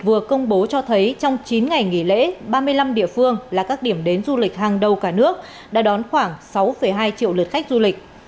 vừa công bố cho thấy trong chín ngày nghỉ lễ ba mươi năm địa phương là các điểm đến du lịch hàng đầu cả nước đã đón khoảng sáu hai triệu lượt khách du lịch